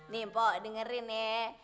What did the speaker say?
nih mpok dengerin ya